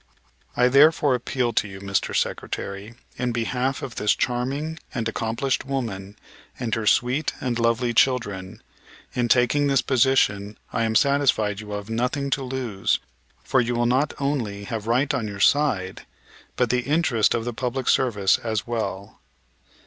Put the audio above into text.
"I therefore appeal to you, Mr. Secretary, in behalf of this charming and accomplished woman and her sweet and lovely children. In taking this position I am satisfied you will have nothing to lose, for you will not only have right on your side, but the interest of the public service as well.